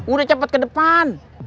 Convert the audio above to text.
udah cepet ke depan